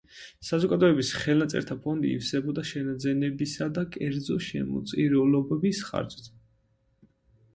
საზოგადოების ხელნაწერთა ფონდი ივსებოდა შენაძენებისა და კერძო შემოწირულობების ხარჯზე.